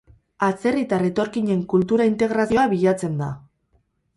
Atzerritar etorkinen kultura integrazioa bilatzen da.